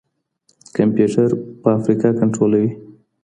کمپيوټر فابريکه کنټرولوي.